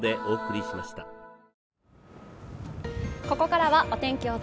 ここからはお天気